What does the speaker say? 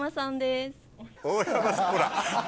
大山さんほら。